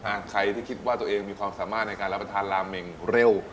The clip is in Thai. หากใครที่คิดว่าตัวเองมีความสามารถในการรับประทานลาเมงเร็ว